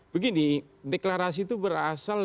begini deklarasi itu berasal